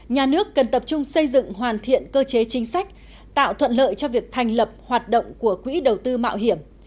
nhà nước cần tập trung xây dựng hoàn thiện cơ chế chính sách tạo thuận lợi cho việc thành lập hoạt động của quỹ đầu tư mạo hiểm